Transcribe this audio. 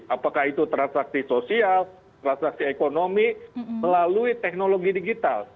apakah itu transaksi sosial transaksi ekonomi melalui teknologi digital